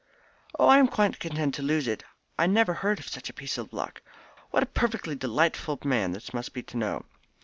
"Oh, I am quite content to lose it. I never heard of such a piece of luck. What a perfectly delightful man this must be to know."